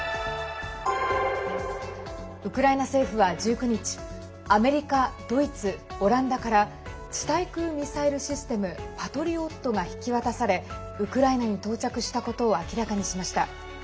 ウクライナ政府は１９日アメリカ、ドイツ、オランダから地対空ミサイルシステム「パトリオット」が引き渡されウクライナに到着したことを明らかにしました。